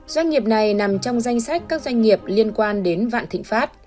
doanh nghiệp này nằm trong danh sách các doanh nghiệp liên quan đến vạn thịnh pháp